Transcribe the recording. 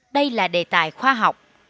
đây là đề tài khoa học